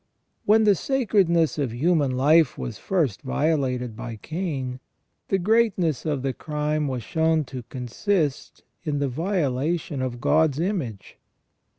When the sacredness of human life was first violated by Cain, the great ness of the crime was shown to consist in the violation of God's image.